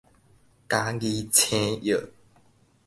嘉義青虳